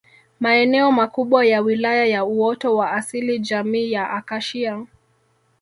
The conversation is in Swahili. Maeneo makubwa ya Wilaya ya uoto wa asili jamii ya Akashia